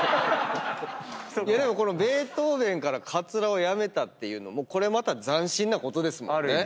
いやでもベートーヴェンからカツラをやめたっていうのもこれまた斬新なことですもんね。